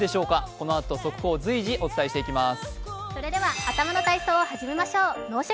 このあと速報、随時お伝えしていきます。